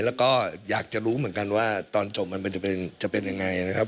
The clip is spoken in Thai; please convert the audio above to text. แล้วก็อยากจะรู้เหมือนกันว่าตอนจบมันจะเป็นยังไงนะครับ